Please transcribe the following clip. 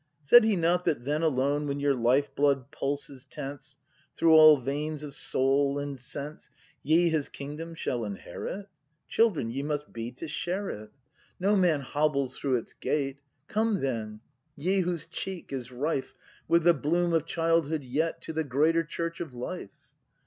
Said He not that then alone When your lifeblood pulses tense Through all veins of soul and sense. Ye His kingdom shall inherit ? Children ye must be to share it; ACT V] BRAND 261 No man hobbles through its gate. Come then, ye whose cheek is rife With the bloom of childhood yet To the greater Church of Life!